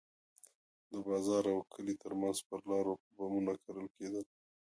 د بازار او کلي ترمنځ پر لارو به بمونه کرل کېدل.